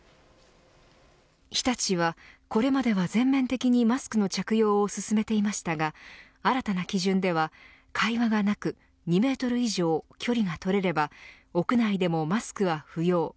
日立はこれまでは全面的にマスクの着用を勧めていましたが新たな基準では、会話がなく２メートル以上、距離が取れれば屋内でもマスクは不要。